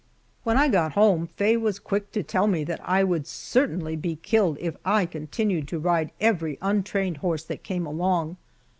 When I got home Faye was quick to tell me that I would certainly be killed if I continued to ride every untrained horse that came along!